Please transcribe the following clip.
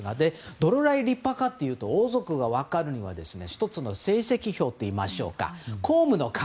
どのくらい立派かというと王族で、分かるのは１つの成績表といいましょうか公務の数。